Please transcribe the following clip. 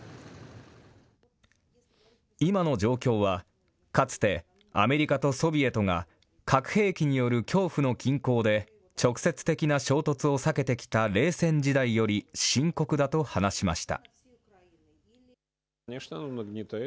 今の状況は、かつてアメリカとソビエトが核兵器による恐怖の均衡で、直接的な衝突を避けてきた冷戦時代より深刻だと話しました。